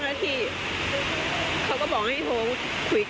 แล้วคืนแรกเอาปลาทะลายโจรอยู่